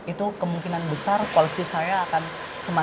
itu kemungkinan besar koleksi saya itu akan menjadi pasaran